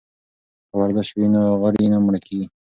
که ورزش وي نو غړي نه مړه کیږي.